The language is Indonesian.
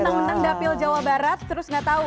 jangan nengang nengang dapil jawa barat terus nggak tahu